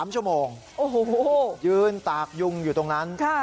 ๓ชั่วโมงโอ้โหยืนตากยุงอยู่ตรงนั้น